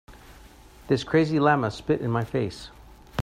This crazy llama spit in my face.